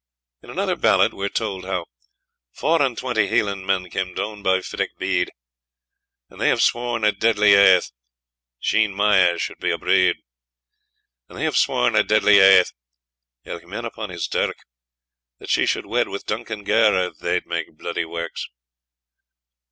In another ballad we are told how Four and twenty Hieland men, Came doun by Fiddoch Bide, And they have sworn a deadly aith, Jean Muir suld be a bride: And they have sworn a deadly aith, Ilke man upon his durke, That she should wed with Duncan Ger, Or they'd make bloody works.